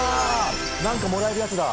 何かもらえるやつだ。